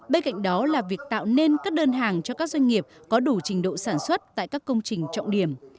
bên cạnh đó là việc tạo nên các đơn hàng cho các doanh nghiệp có đủ trình độ sản xuất tại các công trình trọng điểm